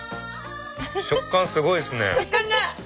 食感すごいですね。